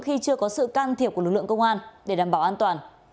khi chưa có sự can thiệp của lực lượng công an để đảm bảo an toàn